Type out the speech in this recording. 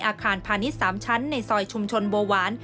อาคารพาณิชย์๓ชั้นในซอยชุมชนบัวหวาน